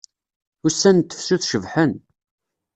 Ussan n tefsut cebḥen.